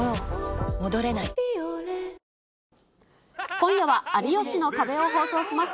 今夜は有吉の壁を放送します。